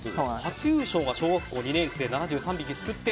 初優勝が小学校２年生７３匹すくって。